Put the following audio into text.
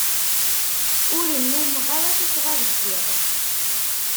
Ur nnumeɣ ara tuffɣa deg iḍ.